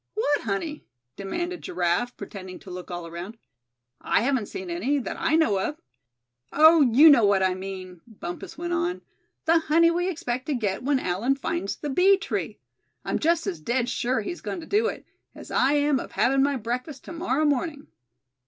"What honey?" demanded Giraffe, pretending to look all around. "I haven't seen any, that I know of." "Oh! you know what I mean;" Bumpus went on; "the honey we expect to get, when Allan finds the bee tree. I'm just as dead sure he's goin' to do it, as I am of having my breakfast to morrow morning."